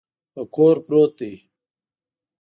په کور پروت دی.